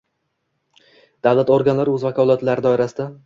Davlat organlari o‘z vakolatlari doirasida: